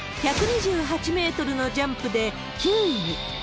１２８メートルのジャンプで９位に。